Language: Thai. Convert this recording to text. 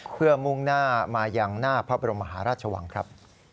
เพื่อมุ่งหน้ามายังหน้าพระบรมมหาราชวังครับ